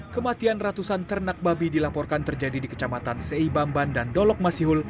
kematian ratusan ternak babi dilaporkan terjadi di kecamatan sei bamban dan dolok masihul